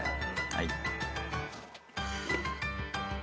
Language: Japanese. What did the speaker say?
はい。